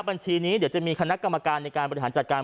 บัญชีนี้เดี๋ยวจะมีคณะกรรมการในการบริหารจัดการ